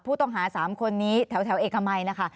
ผู้ต้องหา๓คนนี้แถวเอกมัยนะคะ